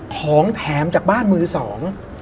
ของแถมจากบ้านมือสอง